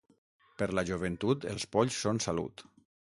Per la joventut els polls són salut.